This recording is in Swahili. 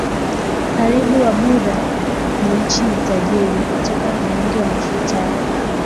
karibu Wabuddha ni Nchi ni tajiri kutokana na wingi wa mafuta ya